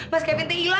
mas kevin tuh hilang